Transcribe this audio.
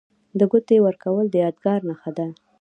د ګوتې ورکول د یادګار نښه ده.